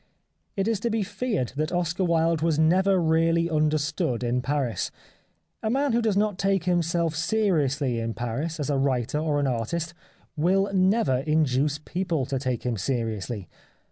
It is to be feared that Oscar Wilde was never really understood in Paris. A man who does not take himself seriously in Paris, as a writer or an artist, will never induce people to take him seriously.